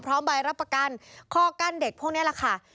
ใบรับประกันข้อกั้นเด็กพวกนี้แหละค่ะ